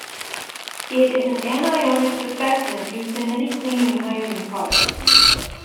It is an anionic surfactant used in many cleaning and hygiene products.